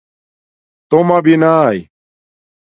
توما بناݵ